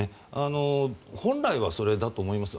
本来はそれだと思います。